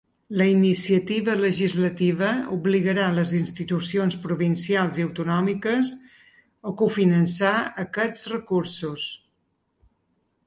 La iniciativa legislativa obligarà les institucions provincials i autonòmiques a cofinançar aquests recursos.